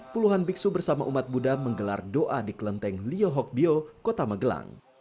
puluhan biksu bersama umat buddha menggelar doa di kelenteng liohokbio kota magelang